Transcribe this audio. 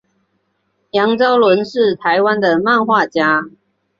杨邵伦是台湾的漫画家。